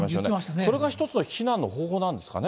それが一つの避難の方法なんですかね。